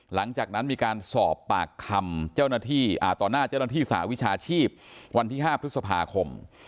หลังจากนั้นมีการสอบปากคำเจ้าหน้าที่สาวิชาชีพวันที่๕พฤษภาคม